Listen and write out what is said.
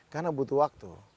karena butuh waktu